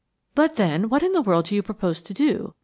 "But, then, what in the world do you propose to do?"